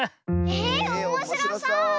えおもしろそう！